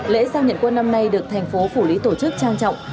lễ giao nhận quân năm nay được thành phố phủ lý tổ chức trang trọng